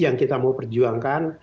yang kita mau perjuangkan